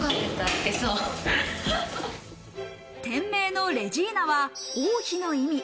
店名のレジィーナは王妃の意味。